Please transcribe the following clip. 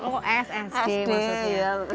oh s sd maksudnya